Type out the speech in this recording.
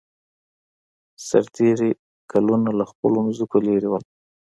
سرتېري کلونه له خپلو ځمکو لېرې وو